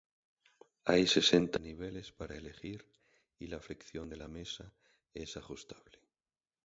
Hay sesenta niveles para elegir, y la fricción de la mesa es ajustable.